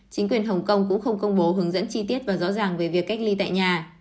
chính quyền hồng kông cũng không công bố hướng dẫn chi tiết và rõ ràng về việc cách ly tại nhà